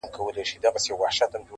• داړي ولوېدې د ښکار کیسه سوه پاته -